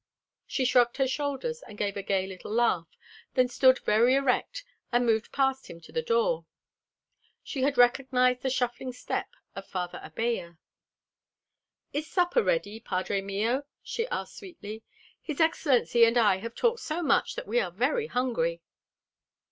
She shrugged her shoulders and gave a gay little laugh, then stood very erect and moved past him to the door. She had recognized the shuffling step of Father Abella. "Is supper ready, padre mio?" she asked sweetly. "His excellency and I have talked so much that we are very hungry."